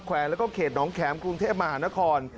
วงแล้วก็เขตน้องแข็มกรุงเทพมหานคร